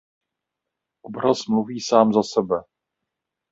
Obraz mluví sám za sebe.